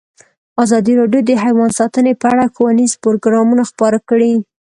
ازادي راډیو د حیوان ساتنه په اړه ښوونیز پروګرامونه خپاره کړي.